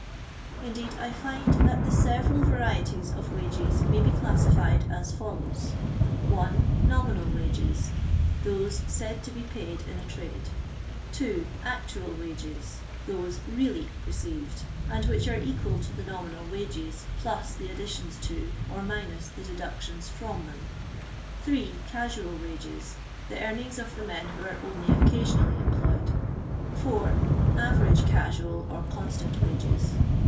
Indeed I find that the several varieties of wages may be classi fied as follows :— 1. Nominal Wages. — Those said to be paid in a trade. 2. Actual Wanes. — Those really received, and which are equal to the nominal wages, jtlus the additions to, or miatci the deductions from, them. 3. Casual H'a^j.— The earnings of the men who are only occasionally employed. 4. Average Casual or Consiant Wages.